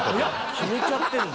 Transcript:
決めちゃってんだ。